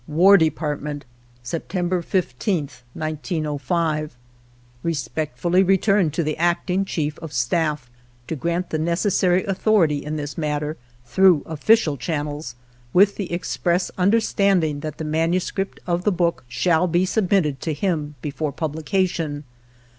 War Department, September 15th, 1905. Respectfully returned to the Acting Chief of Staff to grant the necessary authority in this matter, through official channels, with the express understand ing that the manuscript of the book shall be submitted to him before publication.